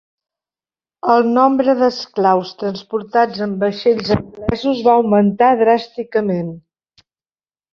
El nombre d'esclaus transportats en vaixells anglesos va augmentar dràsticament.